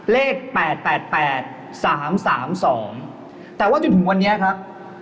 เลขแปดแปดแปดสามสามสองแต่ว่าจนถึงวันนี้ครับ